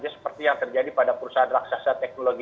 seperti yang terjadi pada perusahaan raksasa teknologi